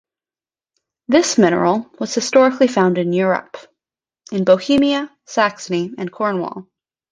This mineral was historically found in Europe in Bohemia, Saxony, and Cornwall.